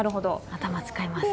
頭使いますね。